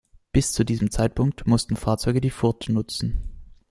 Bis zu diesem Zeitpunkt mussten Fahrzeuge die Furt nutzen.